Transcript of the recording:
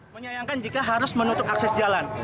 menyayangkan jika harus menutup akses jalan